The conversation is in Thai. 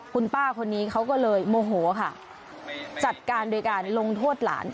คุณป้าคนนี้เขาก็เลยโมโหค่ะจัดการโดยการลงโทษหลาน